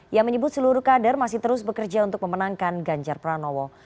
yang menyebut seluruh kader masih terus bekerja untuk memenangkan ganjar pranowo